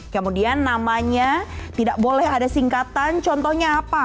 kemudian namanya tidak boleh ada singkatan contohnya apa